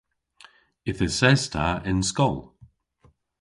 Yth eses ta y'n skol.